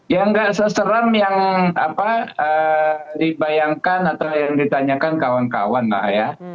yang gak seseram yang apa dibayangkan atau yang ditanyakan kawan kawan pak ya